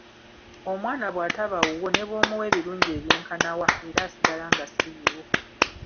Omwana bw’ataba wuwo ne bw’omuwa ebirungi ebyenkana wa era asigala nga si wuwo.